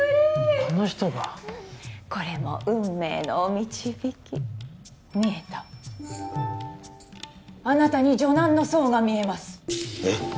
この人がこれも運命のお導き見えたあなたに女難の相が見えますえっ？